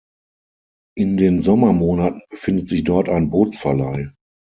In den Sommermonaten befindet sich dort ein Bootsverleih.